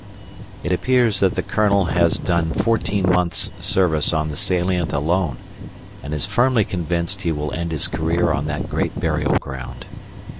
It appears that the Colonel has done fourteen months' service on the salient alone, and is firmly convinced he will end his career on that great burial ground.